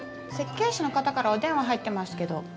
設計士の方からお電話入ってますけど。